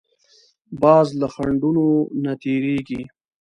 باز له خنډونو نه تېرېږي